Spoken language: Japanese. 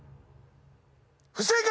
不正解！